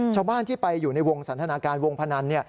ชาวบ้านที่ไปอยู่ในวงสันทนาการวงพนัน